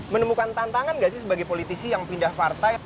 menemukan tantangan gak sih sebagai politisi yang pindah partai